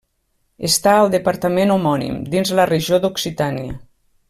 Està al Departament homònim, dins la regió d'Occitània.